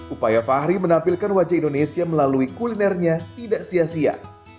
upaya fahri menampilkan wajah indonesia melalui kulinernya tidak sia sia